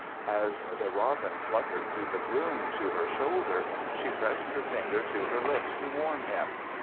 As the robin fluttered through the gloom to her shoulder, she pressed her finger to her lips to warn him.